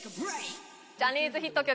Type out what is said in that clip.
ジャニーズヒット曲